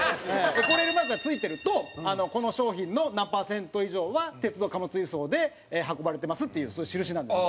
エコレールマークがついてるとこの商品の何パーセント以上は鉄道貨物輸送で運ばれてますっていうそういう印なんですよ。